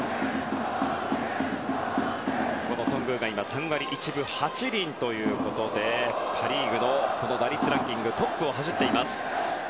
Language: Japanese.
頓宮が今３割１分８厘ということでパ・リーグの打率ランキングトップを走っています。